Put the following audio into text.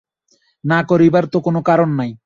না করিবার তো কোনো কারণ নাই।